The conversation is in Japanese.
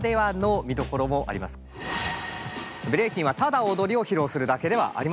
ブレイキンはただ踊りを披露するだけではありません。